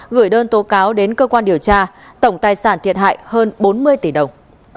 gửi đơn tố cáo đến cơ quan điều tra tổng tài sản thiệt hại hơn bốn mươi tỷ đồng